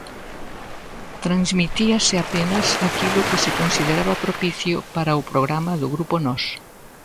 Transmitíase apenas aquilo que se consideraba propicio para o programa do grupo Nós.